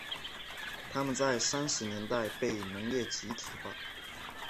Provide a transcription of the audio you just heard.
他们在三十年代被农业集体化。